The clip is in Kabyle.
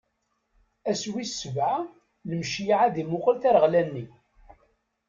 Ass wis sebɛa, Imceyyeɛ ad imuqel tareɣla-nni.